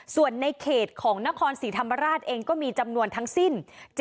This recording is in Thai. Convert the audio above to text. ส่วนในเขตของนครศรีธรรมราชเองก็มีจำนวนทั้งสิ้น